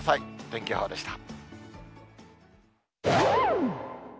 天気予報でした。